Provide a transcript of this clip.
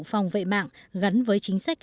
phòng vệ mạng gắn với chính sách